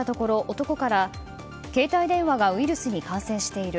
男から携帯電話がウイルスに感染している。